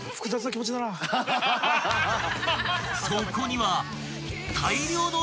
［そこには］